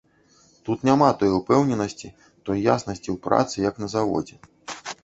Тут няма той упэўненасці, той яснасці ў працы, як на заводзе.